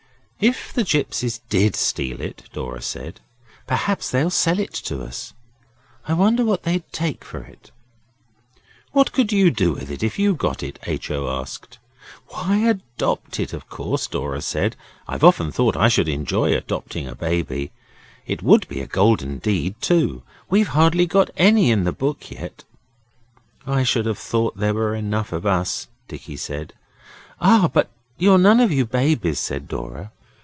'If the gipsies DID steal it,' Dora said 'perhaps they'd sell it to us. I wonder what they'd take for it.' 'What could you do with it if you'd got it?' H. O. asked. 'Why, adopt it, of course,' Dora said. 'I've often thought I should enjoy adopting a baby. It would be a golden deed, too. We've hardly got any in the book yet.' 'I should have thought there were enough of us,' Dicky said. 'Ah, but you're none of you babies,' said Dora.